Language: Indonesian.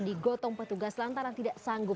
digotong petugas lantaran tidak sanggup